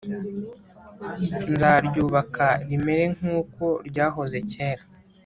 nzaryubaka rimere nk’uko ryahoze kera